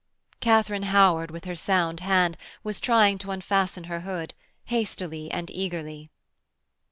Katharine Howard with her sound hand was trying to unfasten her hood, hastily and eagerly.